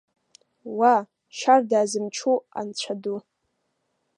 Уа, шьарда зымчу Анцәа ду!